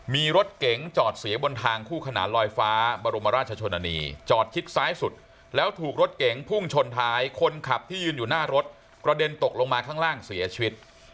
มีรถเก๋งจอดเสียบนทางคู่ขนานลอยฟ้าบรมราชชนนานีจอดชิดซ้ายสุดแล้วถูกรถเก๋งพุ่งชนท้ายคนขับที่ยืนอยู่หน้ารถกระเด็นตกลงมาข้างล่างเสียชีวิต